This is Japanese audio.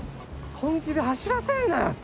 本気で走らせるなよ。